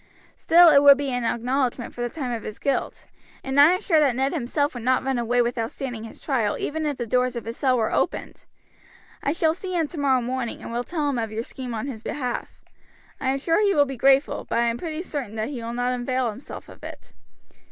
Still it would be an acknowledgment for the time of his guilt, and I am sure that Ned himself would not run away without standing his trial even if the doors of his cell were opened. I shall see him tomorrow morning, and will tell him of your scheme on his behalf. I am sure he will be grateful, but I am pretty certain that he will not avail himself of it.